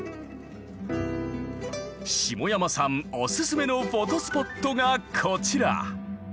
下山さんのおすすめのフォトスポットがこちら！